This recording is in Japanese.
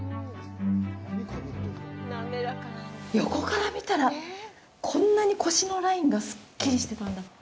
横から見たら、こんなに腰のラインがすっきりしてたんだ。